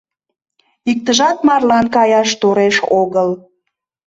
Иктыжат марлан каяш тореш огыл.